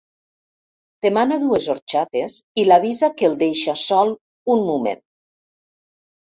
Demana dues orxates i l'avisa que el deixa sol un moment.